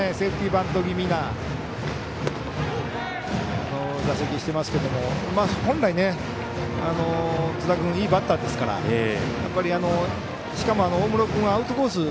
バント気味な打席していますけども本来、津田君いいバッターですからしかも大室君、アウトコース